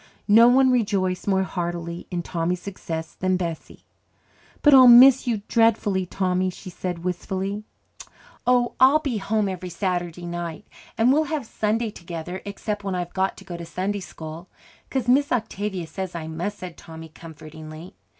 No one rejoiced more heartily in Tommy's success than Bessie. "But I'll miss you dreadfully, Tommy," she said wistfully. "Oh, I'll be home every Saturday night, and we'll have Sunday together, except when I've got to go to Sunday school. 'Cause Miss Octavia says I must," said Tommy comfortingly.